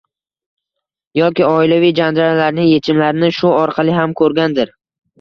yoki oilaviy janjalllarning yechimlarini shu orqali ham ko‘rgandir.